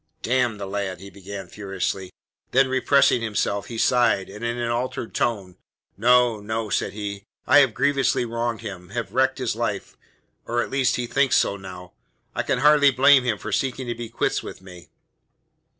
"D n the lad," he began furiously. Then repressing himself, he sighed, and in an altered tone, "No, no," said he. "I have grievously wronged him! have wrecked his life or at least he thinks so now. I can hardly blame him for seeking to be quits with me."